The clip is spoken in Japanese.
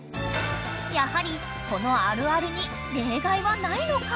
［やはりこの「あるある」に例外はないのか？］